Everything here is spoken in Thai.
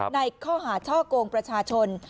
ในข้อหาช่อกงประชาชน